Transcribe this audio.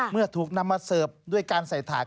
เมื่อถูกนำมาเสิร์ฟด้วยการใส่ถาด